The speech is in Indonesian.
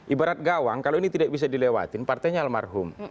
ibarat gawang kalau ini tidak bisa dilewatin partainya almarhum